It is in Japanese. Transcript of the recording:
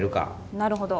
なるほど。